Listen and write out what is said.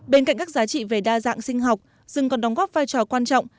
bên cạnh các giá trị về đa dạng sinh học rừng còn đóng góp vai trò quan trọng